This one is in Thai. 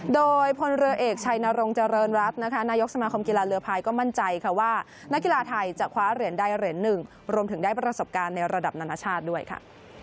โดยพลเรือเอกชัยนรงเจริญรัฐนะคะนายกสมาคมกีฬาเรือพายก็มั่นใจค่ะว่านักกีฬาไทยจะคว้าเหรียญใดเหรียญหนึ่งรวมถึงได้ประสบการณ์ในระดับนานาชาติด้วยค่ะ